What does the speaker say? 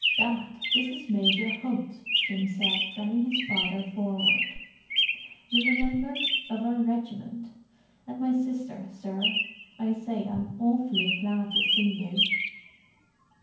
"Dad, this is Major Hunt," Jim said, dragging his father forward. "You remember, of our regiment. And my sister, sir. I say, I'm awfully glad to see you!"